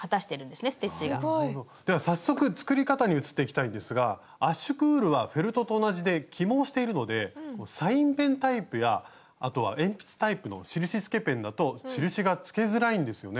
すごい！では早速作り方に移っていきたいんですが圧縮ウールはフェルトと同じで起毛しているのでサインペンタイプやあとは鉛筆タイプの印付けペンだと印が付けづらいんですよね？